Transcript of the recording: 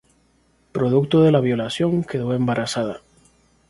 Producto de la violación, quedó embarazada.